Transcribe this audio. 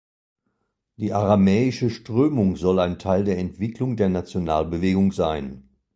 Die aramäische Strömung soll ein Teil der Entwicklung der Nationalbewegung sein.